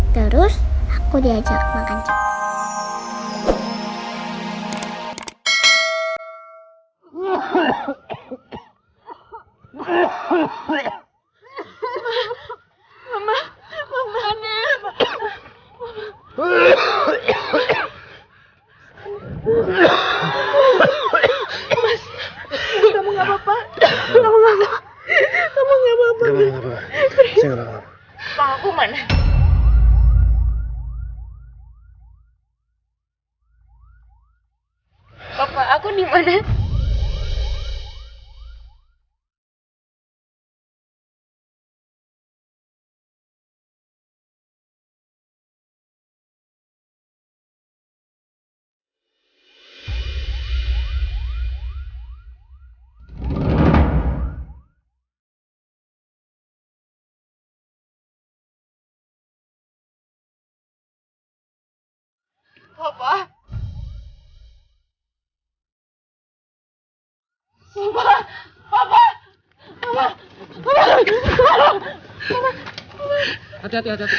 terus aku diajak makan coklat